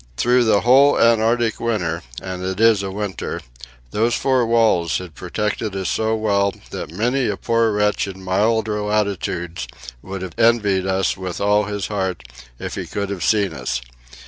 Through the whole Antarctic winter and it is a winter those four walls had protected us so well that many a poor wretch in milder latitudes would have envied us with all his heart, if he could have seen us.